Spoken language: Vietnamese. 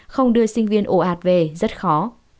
không đưa sinh viên ổ ạt về rất khó